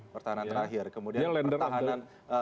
pertahanan terakhir kemudian pertahanan